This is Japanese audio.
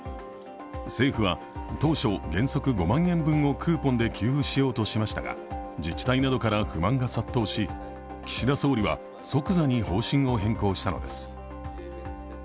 政府は当初、原則５万円分をクーポンで給付しようとしましたが自治体などから不満が殺到し岸田総理は即座に方針を変更したのです。